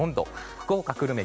福岡・久留米